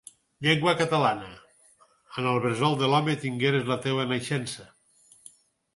Llengua catalana, en el bressol de l'home tingueres la teua naixença.